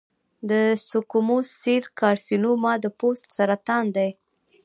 د سکوموس سیل کارسینوما د پوست سرطان دی.